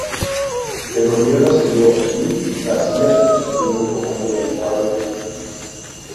El gobierno cedió y, García se presentó en un comando de la Guardia Nacional.